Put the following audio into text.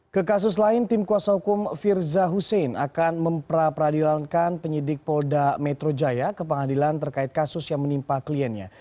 ke kasus lain tim kuasa hukum firza husein akan mempradilankan penyidik polda metro jaya ke pengadilan terkait kasus yang menimpa kliennya